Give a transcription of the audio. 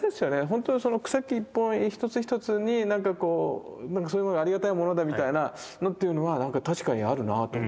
本当に草木一本一つ一つになんかこうそういうものはありがたいものだみたいなのっていうのは確かにあるなと思った。